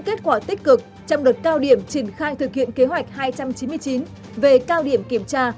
kết quả tích cực trong đợt cao điểm triển khai thực hiện kế hoạch hai trăm chín mươi chín về cao điểm kiểm tra